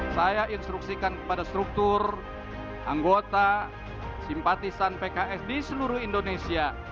saya instruksikan kepada struktur anggota simpatisan pks di seluruh indonesia